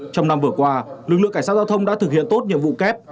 trong năm vừa qua lực lượng cảnh sát giao thông đã thực hiện tốt nhiệm vụ kép